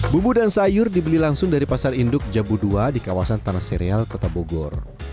bumbu dan sayur dibeli langsung dari pasar induk jabu dua di kawasan tanah serial kota bogor